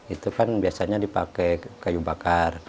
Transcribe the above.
itu kan biasanya dipakai kayu bakar